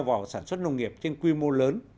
vào sản xuất nông nghiệp trên quy mô lớn